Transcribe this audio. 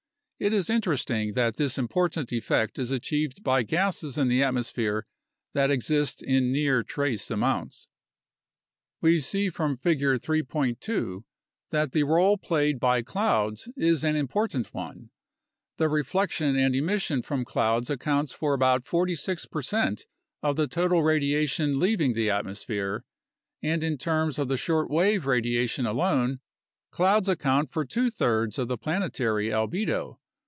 It is interesting that this important effect is achieved by gases in the at mosphere that exist in near trace amounts. We see from Figure 3.2 that the role played by clouds is an important one: the reflection and emission from clouds accounts for about 46 per cent of the total radiation leaving the atmosphere; and in terms of the shortwave radiation alone, clouds account for two thirds of the planetary albedo.